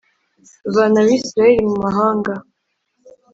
vana Abisirayeli mu mahanga